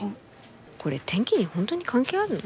これ天気に本当に関係あるの？